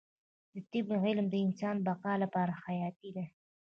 د طب علم د انسان د بقا لپاره حیاتي دی